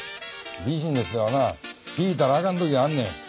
ビジネスではな引いたらアカン時があんねん。